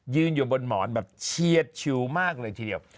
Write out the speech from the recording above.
อยู่บนหมอนแบบเชียดชิวมากเลยทีเดียว